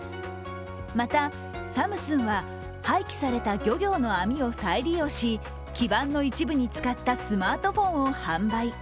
また、サムスンは廃棄された漁業の網を再利用し、基板の一部に使ったスマートフォンを販売。